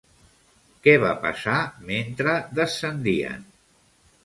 Què va passar mentre descendien?